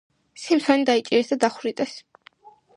სამსონი დაიჭირეს და დახვრიტეს.